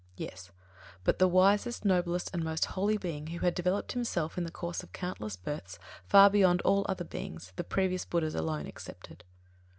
Yes; but the wisest, noblest and most holy being, who had developed himself in the course of countless births far beyond all other beings, the previous BUDDHAS alone excepted.